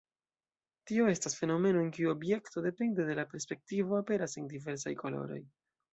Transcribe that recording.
Tio estas fenomeno, en kiu objekto, depende de la perspektivo, aperas en diversaj koloroj.